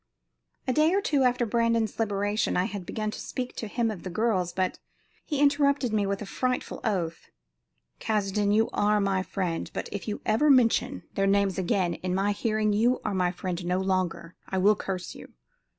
A day or two after Brandon's liberation I had begun to speak to him of the girls, but he interrupted me with a frightful oath: "Caskoden, you are my friend, but if you ever mention their names again in my hearing you are my friend no longer. I will curse you."